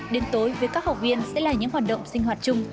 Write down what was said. đến tối với các học viên sẽ là những hoạt động sinh hoạt chung